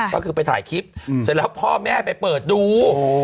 ก็คือไปถ่ายคลิปเสร็จแล้วพ่อแม่ไปเปิดดู